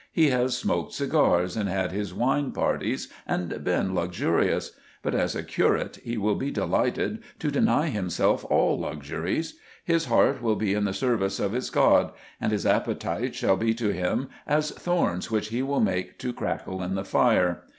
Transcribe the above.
He has smoked cigars, and had his wine parties, and been luxurious; but as a curate he will be delighted to deny himself all luxuries. His heart will be in the service of his God, and his appetites shall be to him as thorns which he will make to crackle in the fire.